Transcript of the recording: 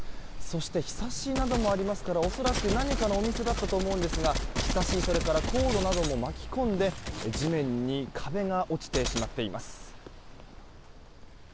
そしてひさしなどもありますからおそらく何かのお店だったと思うんですが、ひさしそれからコードなども巻き込んで地面に壁が落ちてしまっています。